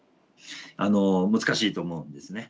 あの難しいと思うんですね。